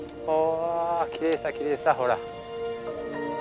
きれいさきれいさほら。